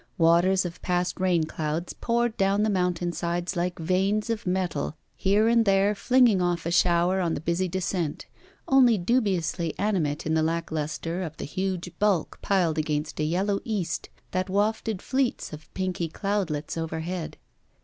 Waters of past rain clouds poured down the mountain sides like veins of metal, here and there flinging off a shower on the busy descent; only dubiously animate in the lack lustre of the huge bulk piled against a yellow East that wafted fleets of pinky cloudlets overhead.